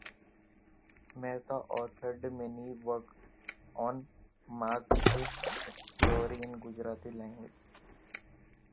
Mehta authored many works on Marxist theory in Gujarati language.